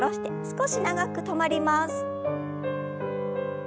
少し長く止まります。